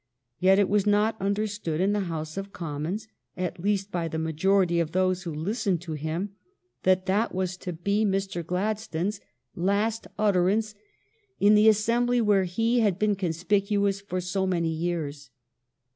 Yet it was not understood in the House of Commons, at least by the majority of those who listened to him, that that was to be 388 THE STORY OF GLADSTONE'S LIFE Mr. Gladstone's last utterance in the assembly where he had been conspicuous for so many years.